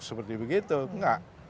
seperti begitu nggak